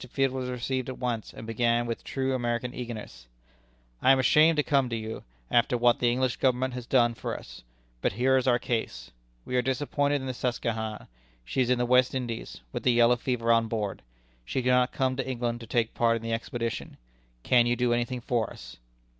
Field was received at once, and began with true American eagerness: "I am ashamed to come to you, after what the English Government has done for us. But here is our case. We are disappointed in the Susquehanna. She is in the West Indies, with the yellow fever on board. She cannot come to England to take part in the expedition. Can you do anything for us?"